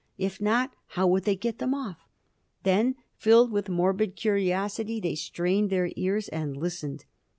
If not, how would they get them off? Then, filled with morbid curiosity, they strained their ears and listened.